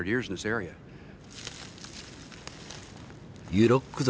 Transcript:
ユロック族